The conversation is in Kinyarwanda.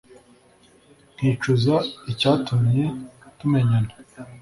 nkicuza icyatumye tumenyana